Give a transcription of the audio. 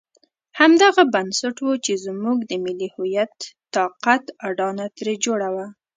همدغه بنسټ وو چې زموږ د ملي هویت طاقت اډانه ترې جوړه وه.